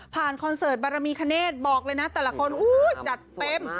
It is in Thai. คอนเสิร์ตบารมีคเนธบอกเลยนะแต่ละคนจัดเต็ม